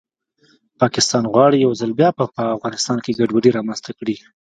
پاکستان غواړي یو ځل بیا په افغانستان کې ګډوډي رامنځته کړي